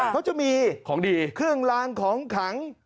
เขาจะมีเครื่องรางของขัง